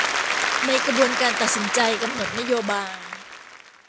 ในกระบวนการตัดสินใจกำหนดนโยบาย